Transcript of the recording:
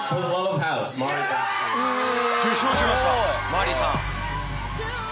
受賞しましたマーリさん。